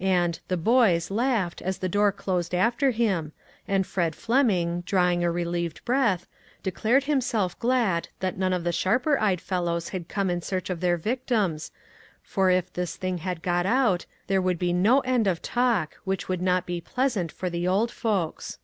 And "the boys" laughed as the door closed after him, and Fred Fleming, drawing a re lieved breath, declared himself glad that none of the sharper eyed fellows hud come in search of their victims, for if this thing got out there would be no end of talk, which would not be pleasant for the old folks.